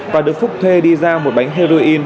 và được phúc thuê đi ra một bánh heroin